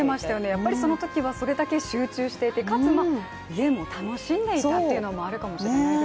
やっぱりそのときはそれだけ集中していてかつ、ゲームを楽しんでいたというのがあるかもしれないですね。